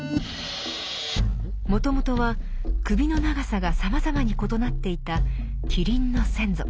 もともとは首の長さがさまざまに異なっていたキリンの先祖。